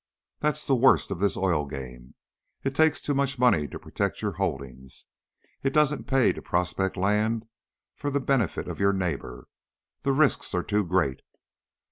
That's the worst of this oil game, it takes so much money to protect your holdings. It doesn't pay to prospect land for the benefit of your neighbor; the risks are too great.